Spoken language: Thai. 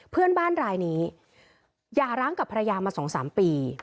เพื่อนบ้านรายนี้อย่าร้างกับภรรยามา๒๓ปี